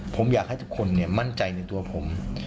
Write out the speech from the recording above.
ผมอยากให้ทุกคนมั่นใจในตัวผม